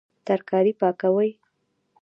ترکاري پاکوي